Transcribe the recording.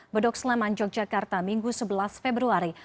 bedok sleman yogyakarta minggu sebelas februari